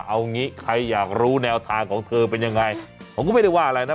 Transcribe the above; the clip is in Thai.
เอางี้ใครอยากรู้แนวทางของเธอเป็นยังไงผมก็ไม่ได้ว่าอะไรนะ